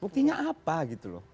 buktinya apa gitu loh